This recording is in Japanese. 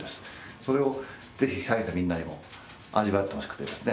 それを是非社員のみんなにも味わってほしくてですね